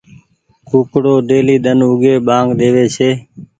ڪوُڪڙو ڍيلي ۮن اوڳي ٻآنگ ۮيوي ڇي۔